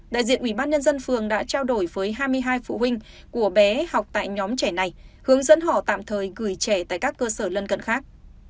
đại diện ủy ban nhân dân phường đã trao đổi với hai mươi hai phụ huynh của bé học tại nhóm trẻ này hướng dẫn họ tạm thời gửi trẻ tại các cơ sở lân cận khác